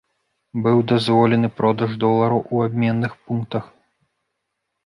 Быў дазволены продаж долараў у абменных пунктах.